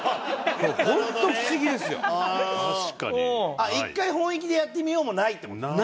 あっ１回本意気でやってみようもないって事？